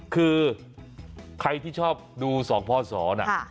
คือใครที่ชอบดูสองพ่อสอน